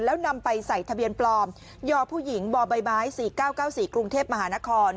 แล้วนำไปใส่ทะเบียนปลอมยผู้หญิงบใบไม้๔๙๙๔กรุงเทพมหานคร